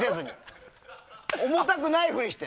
重たくないふりして。